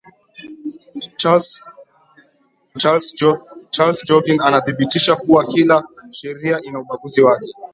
charles joughin anathibitisha kuwa kila sheria ina ubaguzi wake